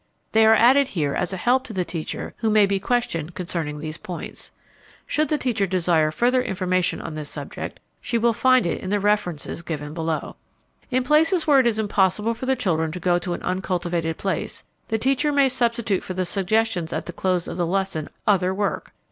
They are added here as a help to the teacher who may be questioned concerning these points. Should the teacher desire further information on this subject, she will find it in the references given below. In places where it is impossible for the children to go to an uncultivated place, the teacher may substitute for the suggestions at the close of the lesson other work.